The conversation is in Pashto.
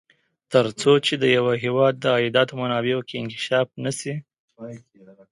تر څو چې د یوه هېواد د عایداتو منابعو کې انکشاف نه شي.